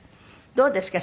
どうですか？